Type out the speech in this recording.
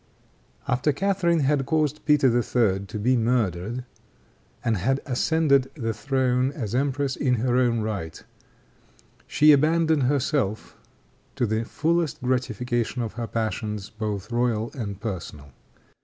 After Catharine had caused Peter III. to be murdered, and had ascended the throne as empress in her own right, she abandoned herself to the fullest gratification of her passions, both royal and personal.